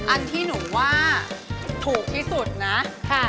อันที่หนูว่าถูกที่สุดนะ